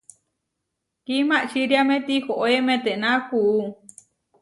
Kimačiriáme tihoé metená kuú.